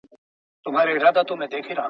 زه ليکلي پاڼي ترتيب کړي دي!.